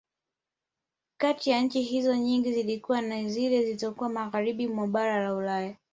Kati ya nchi hizo nyingi zilikuwa ni zile zizokuwa Magharibi mwa bara la Ulaya